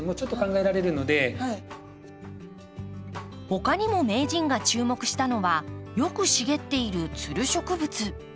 他にも名人が注目したのはよく茂っているつる植物。